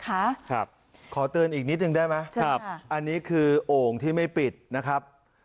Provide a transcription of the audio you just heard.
ครับขอเตือนอีกนิดนึงได้ไหมครับอันนี้คือโอ่งที่ไม่ปิดนะครับ